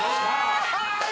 はい！